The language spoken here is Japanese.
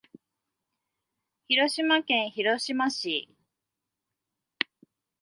広島県広島市